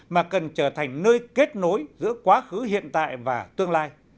mà cần trở thành nơi kết nối giữa quá khứ hiện tại và tương lai